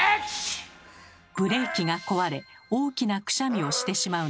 ブレーキが壊れ大きなくしゃみをしてしまうのです。